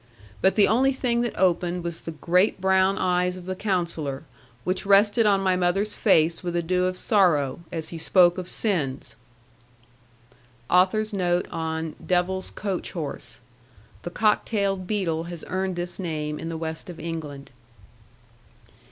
But the only thing that opened was the great brown eyes of the Counsellor, which rested on my mother's face with a dew of sorrow, as he spoke of sins. * The cock tailed beetle has earned this name in the West of England.